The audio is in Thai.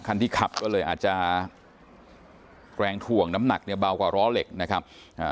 คันที่ขับก็เลยอาจจะแรงถ่วงน้ำหนักเนี่ยเบากว่าล้อเหล็กนะครับอ่า